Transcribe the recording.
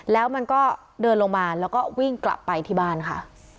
แล้วมันก็เดินลงมาแล้วก็วิ่งกลับไปที่บ้านค่ะ